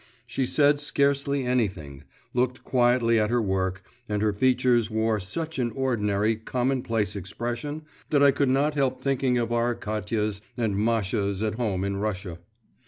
She said scarcely anything, looked quietly at her work, and her features wore such an ordinary, commonplace expression, that I could not help thinking of our Katias and Mashas at home in Russia.